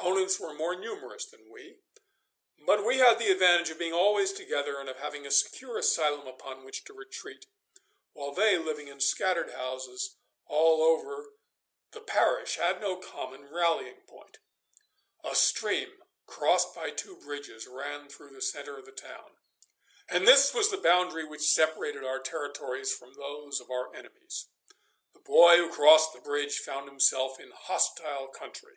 Our opponents were more numerous than we, but we had the advantage of being always together and of having a secure asylum upon which to retreat, while they, living in scattered houses all over the parish, had no common rallying point. A stream, crossed by two bridges, ran through the centre of the town, and this was the boundary which separated our territories from those of our enemies. The boy who crossed the bridge found himself in hostile country.